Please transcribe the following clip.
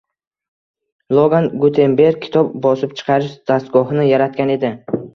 Iogan Gutenberg kitob bosib chiqarish dastgohini yaratgan edi.